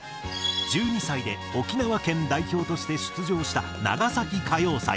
１２歳で沖縄県代表として出場した長崎歌謡祭。